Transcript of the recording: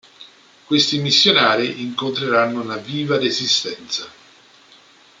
Questi missionari incontreranno una viva resistenza.